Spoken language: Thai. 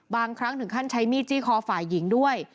บางครั้งถึงขั้นใช้มีดจี้คอฝ่ายหญิงด้วย